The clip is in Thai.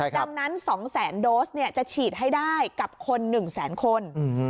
ดังนั้น๒แสนโดสจะฉีดให้ได้กับคน๑แสนคน